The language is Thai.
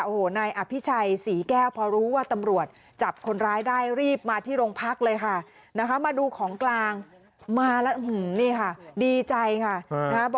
โอ้โหนายอภิชัยศรีแก้วพอรู้ว่าตำรวจจับคนร้ายได้รีบมาที่โรงพักเลยค่ะนะคะมาดูของกลางมาแล้วนี่ค่ะดีใจค่ะนะฮะ